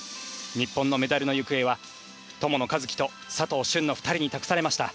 日本のメダルの行方は友野一希と佐藤駿の２人に託されました。